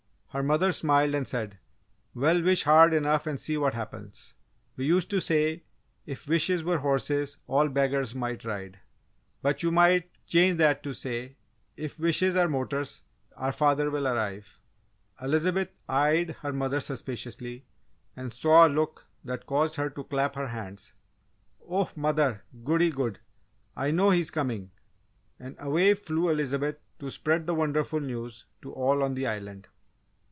Her mother smiled and said, "Well, wish hard enough and see what happens! We used to say 'If wishes were horses all beggars might ride,' but you might change that to say 'If wishes are motors our father will arrive!'" Elizabeth eyed her mother suspiciously and saw a look that caused her to clap her hands. "Oh, mother! goody good! I know he is coming!" And away flew Elizabeth to spread the wonderful news to all on the Island.